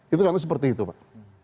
itu contohnya seperti itu pak